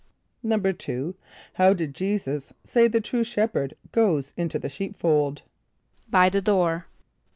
"= =2.= How did J[=e]´[s+]us say the true shepherd goes into the sheepfold? =By the door.